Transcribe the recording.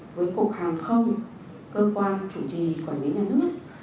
với cục hàng không cơ quan chủ trì quản lý nhà nước